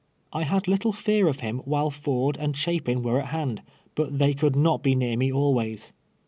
I had little fear of him while Ford and Chapin were at hand, but they could not be near me always.